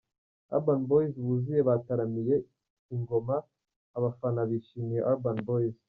Urban Boys buzuye bataramiye i NgomaAbafana bishimiye Urban Boys.